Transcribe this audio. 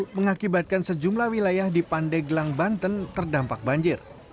mengakibatkan sejumlah wilayah di pandeglang banten terdampak banjir